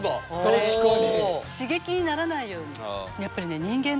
確かに！